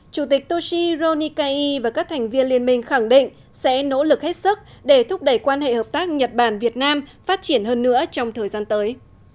chủ tịch toshi roikai và các thành viên liên minh khẳng định sẽ nỗ lực hết sức để thúc đẩy quan hệ hợp tác nhật bản việt nam phát triển hơn nữa trong thời gian tới